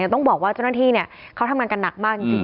ต้องบอกว่าเจ้าหน้าที่เขาทำงานกันหนักมากจริง